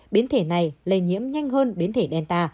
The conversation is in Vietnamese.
biến thể này lây nhiễm nhanh hơn biến thể delta